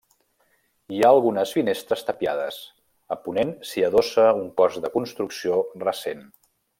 Hi ha algunes finestres tapiades, a ponent s'hi adossa un cos de construcció recent.